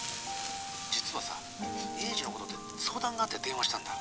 実はさ栄治のことで相談があって電話したんだ。